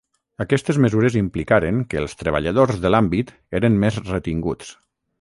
Aquestes mesures implicaren que els treballadors de l'àmbit eren més retinguts.